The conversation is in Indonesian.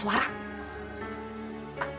pak agus suara